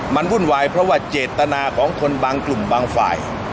มันวุ่นวายเพราะว่าเจตนาของคนบางกลุ่มบางฝ่าย